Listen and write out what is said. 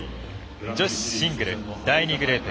女子シングル、第２グループ。